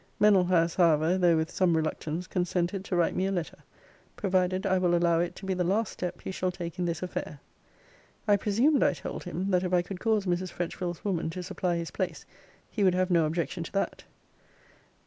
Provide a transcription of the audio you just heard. Mennell has, however, though with some reluctance, consented to write me a letter, provided I will allow it to be the last step he shall take in this affair. I presumed, I told him, that if I could cause Mrs. Fretchville's woman to supply his place, he would have no objection to that.